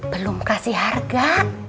belum kasih harga